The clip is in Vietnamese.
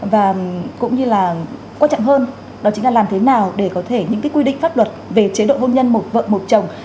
và cũng như là quan trọng hơn đó chính là làm thế nào để có thể những quy định pháp luật về chế độ hôn nhân một vợ một chồng